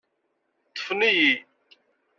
Ṭṭfen-iyi.